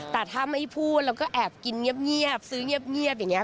แต่ถ้าไม่พูดแล้วก็แอบกินเงียบซื้อเงียบอย่างนี้